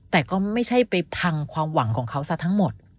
แต่ก็ไม่ใช่ไปพังความหวังของเขาซะทั้งหมด